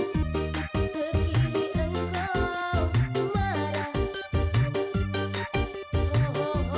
dok dokter gue sekarang udah bisa terbang